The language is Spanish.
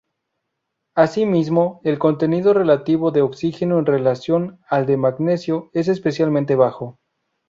Asimismo, el contenido relativo de oxígeno en relación al de magnesio es especialmente bajo.